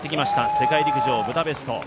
世界陸上ブダペスト。